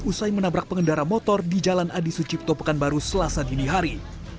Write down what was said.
usai menabrak pengendara motor di jalan adi sucipto pekanbaru selasa dini hari